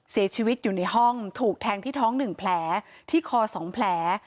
เสียชีวิตอยู่ในห้องถูกแทงที่ท้อง๑แผลที่คอ๒แผล